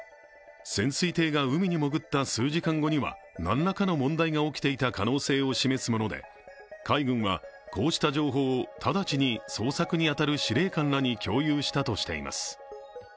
潜水艇が海に潜った数時間後には何らかの問題が起きていた可能性を示すもので、海軍はこうした情報を直ちに捜索に当たる司令官らに共有したとしています。